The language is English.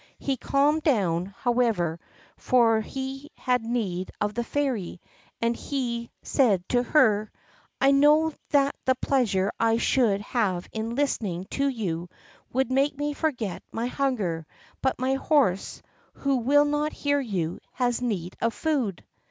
He calmed down, however, for he had need of the Fairy, and he said to her, "I know that the pleasure I should have in listening to you would make me forget my hunger, but my horse, who will not hear you, has need of food."